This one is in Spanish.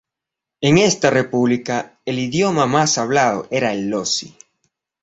En esta república el idioma más hablado era el lozi.